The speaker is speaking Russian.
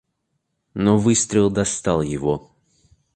Но выстрел достал его.